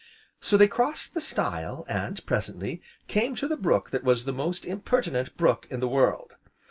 So they crossed the stile, and, presently, came to the brook that was the most impertinent brook in the world.